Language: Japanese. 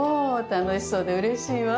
楽しそうでうれしいわ。